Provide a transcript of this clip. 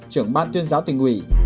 trưởng ban tuyên giáo tỉnh hủy